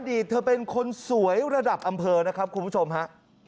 เธอเป็นคนสวยระดับอำเภอนะครับคุณผู้ชมฮะ